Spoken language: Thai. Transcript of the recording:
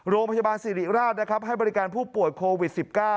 โรงพยาบาลสิริราชนะครับให้บริการผู้ป่วยโควิด๑๙